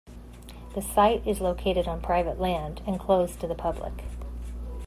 The site is located on private land and closed to the public.